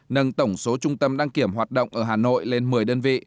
nâng tổng số trung tâm đăng kiểm hoạt động ở hà nội lên một mươi đơn vị